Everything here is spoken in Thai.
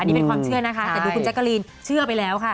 อันนี้เป็นความเชื่อนะคะแต่ดูคุณแจ๊กกะลีนเชื่อไปแล้วค่ะ